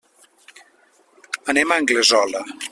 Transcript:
Anem a Anglesola.